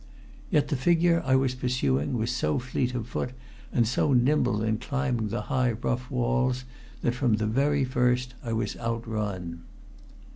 Yet the figure I was pursuing was so fleet of foot and so nimble in climbing the high rough walls that from the very first I was outrun.